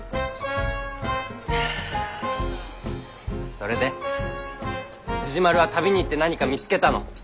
それで藤丸は旅に行って何か見つけたの？